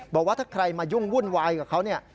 บอกว่าถ้าใครมายุ่งวุ่นวายกับเขาเนี่ย